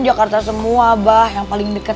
jakarta semua abah yang paling deket